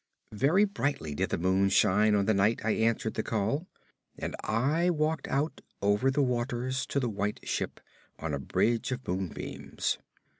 Very brightly did the moon shine on the night I answered the call, and I walked out over the waters to the White Ship on a bridge of moonbeams.